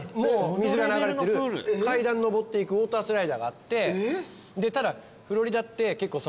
水が流れてる階段上っていくウオータースライダーがあってただ。